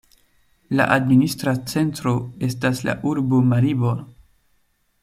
La administra centro estas la urbo Maribor.